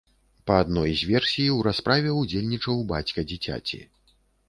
Па адной з версій, у расправе ўдзельнічаў бацька дзіцяці.